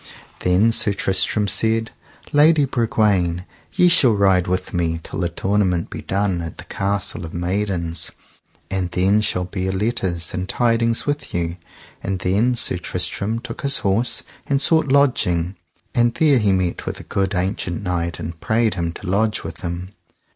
Then Sir Tristram said: Lady Bragwaine, ye shall ride with me till that tournament be done at the Castle of Maidens, and then shall bear letters and tidings with you. And then Sir Tristram took his horse and sought lodging, and there he met with a good ancient knight and prayed him to lodge with him.